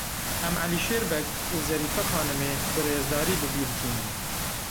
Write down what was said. Em Elîşêr Beg û Zerîfe Xanimê bi rêzdarî bi bîr tînin.